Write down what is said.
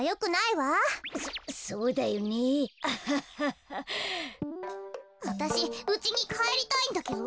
わたしうちにかえりたいんだけど。